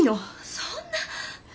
そんな。